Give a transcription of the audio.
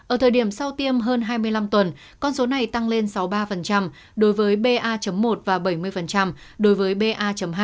ở thời điểm sau tiêm hơn hai mươi năm tuần con số này tăng lên sáu mươi ba đối với ba một và bảy mươi đối với ba hai